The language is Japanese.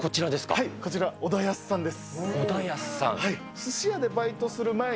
はい、こちら、小田保さんです。